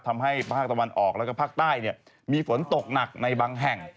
ทำให้ภาคตะวันออกแล้วก็ภาคใต้มีฝนตกหนักในบางแห่ง